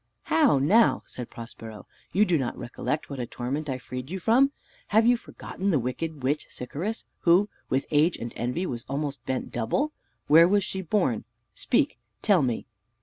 "How now!" said Prospero. "You do not recollect what a torment I freed you from. Have you forgot the wicked witch Sycorax, who with age and envy was almost bent double? Where was she born? Speak; tell me."